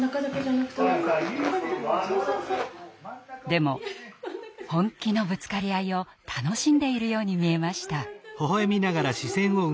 でも本気のぶつかり合いを楽しんでいるように見えました。